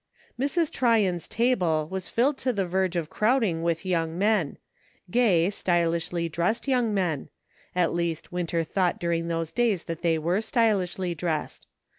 Mrs. Tryon's table was filled to the verge of crowding with young men ; gay, stylishly dressed young men ; at least Winter thought during those days that they were stylishly dressed.